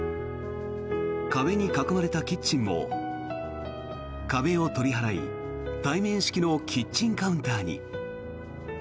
壁に囲まれたキッチンも壁を取り払い対面式のキッチンカウンターに。